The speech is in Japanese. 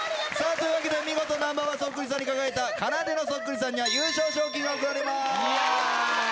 というわけで見事Ｎｏ．１そっくりさんに輝いたかなでのそっくりさんには。よかった。